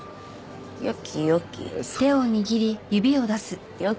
よきよき？